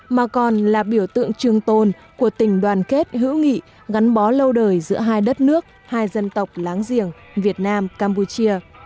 mà còn là biểu tượng trường tồn của tình đoàn kết hữu nghị gắn bó lâu đời giữa hai đất nước hai dân tộc láng giềng việt nam campuchia